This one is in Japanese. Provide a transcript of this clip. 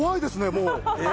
もう。